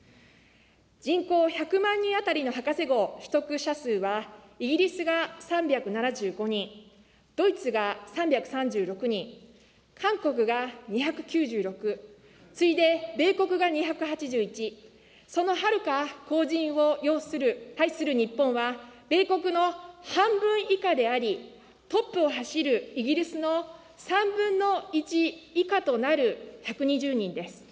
人口１００万人当たりの博士号取得者数は、イギリスが３７５人、ドイツが３３６人、韓国が２９６、次いで米国が２８１、そのはるか後じんを拝する日本は、米国の半分以下であり、トップを走るイギリスの３分の１以下となる、１２０人です。